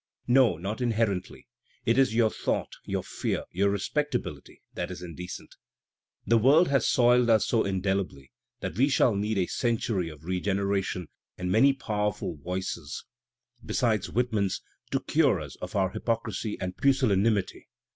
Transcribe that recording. No, not inherently. It is your thought, your fear, your respectability that is indecent." . The world has soiled us so indelibly that we shall need a« century of regeneration and many powerful voices besides Whitman's to cure us of our hypocrisy and pusillanimity.